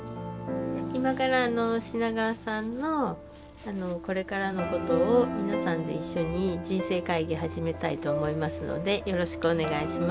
今から品川さんのこれからのことを皆さんで一緒に人生会議始めたいと思いますのでよろしくお願いします。